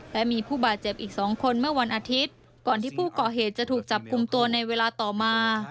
และมีผู้บาดเจ็บอีกสองคนเมื่อวันอาทิตย์ก่อนที่ผู้ก่อเหตุจะถูกจับกลุ่มตัวในเวลาต่อมา